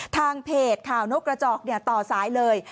ทางเพจข่าวนกกระจอกต่อสายเลย